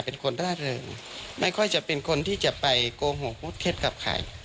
เป็นคนร่าเริงไม่ค่อยจะเป็นคนที่จะไปโกหกพูดเคล็ดกับใคร